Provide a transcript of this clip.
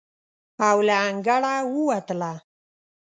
او له انګړه ووتله.